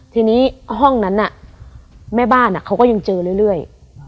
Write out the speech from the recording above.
ทีนี้ห้องนั้นแม่บ้านเขาก็ยังเจอเรื่อย